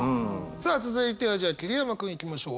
さあ続いてはじゃあ桐山君いきましょう。